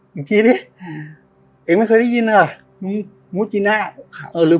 อย่างเนี้ยแอ๋งไม่เคยรู้ปีงเลย